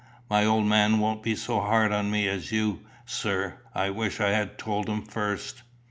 "My old man won't be so hard on me as you, sir. I wish I had told him first."